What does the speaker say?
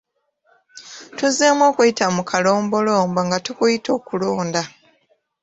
Tuzzeemu okuyita mu kalombolombo nga tukuyita okulonda.